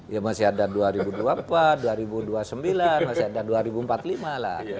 ya masih ada dua ribu dua puluh empat dua ribu dua puluh sembilan masih ada dua ribu empat puluh lima lah